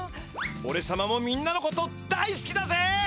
おれさまもみんなのことだいすきだぜ！